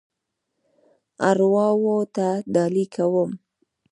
ارواوو ته ډالۍ کوم.